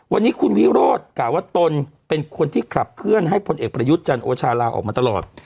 วันนี้คุณวิโรธกล่าวว่าตนเป็นคนที่ขับเคลื่อนให้พลเอกประยุทธ์จันโอชาลาออกมาตลอด